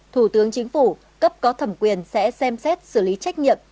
thủ tướng chính phủ cấp có thẩm quyền sẽ xem xét xử lý trách nhiệm